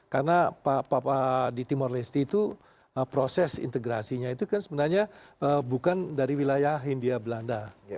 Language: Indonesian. karena di timur lesti itu proses integrasinya itu kan sebenarnya bukan dari wilayah hindia belanda